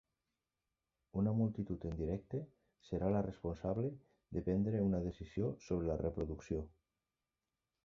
Una multitud en directe serà la responsable de prendre una decisió sobre la reproducció.